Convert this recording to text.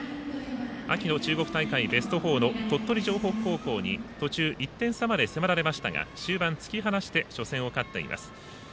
秋の中国大会ベスト４の鳥取城北高校に途中１点差まで迫られましたが終盤、突き放して初戦を勝っています。